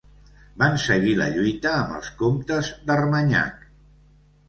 Va seguir la lluita amb els comtes d'Armanyac.